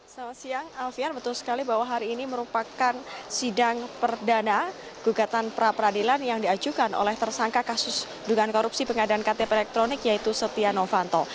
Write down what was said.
selamat siang alfian betul sekali bahwa hari ini merupakan sidang perdana gugatan pra peradilan yang diajukan oleh tersangka kasus dugaan korupsi pengadaan ktp elektronik yaitu setia novanto